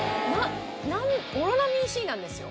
なんオロナミンＣなんですよ。